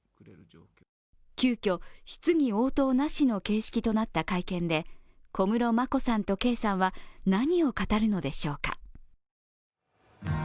急きょ、質疑応答なしの形式となった会見で小室眞子さんと圭さんは何を語るのでしょうか。